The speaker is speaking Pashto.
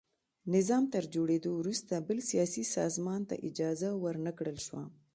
نظام تر جوړېدو وروسته بل سیاسي سازمان ته اجازه ور نه کړل شوه.